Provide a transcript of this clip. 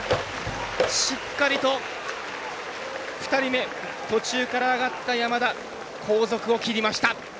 しっかりと２人目途中から上がった山田後続を切りました。